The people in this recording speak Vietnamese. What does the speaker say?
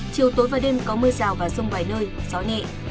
chiều tối và đêm có mưa rào và rông vài nơi gió nhẹ